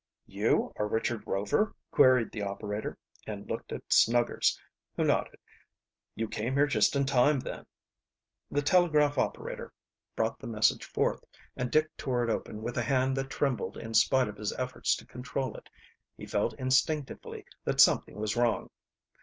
"You are Richard Rover?" queried the operator, and looked at Snuggers, who nodded. "You came here just in time, then." The telegraph operator brought the message forth, and Dick tore it open with a hand that trembled in spite of his efforts to control it. He felt instinctively that something was wrong.